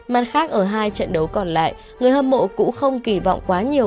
mặt khác ở hai trận đấu còn lại người hâm mộ cũng không kỳ vọng quá nhiều